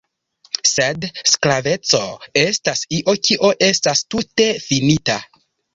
Sed (sklaveco) estas io kio estas tute finita.